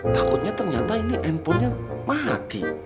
takutnya ternyata ini handphonenya mati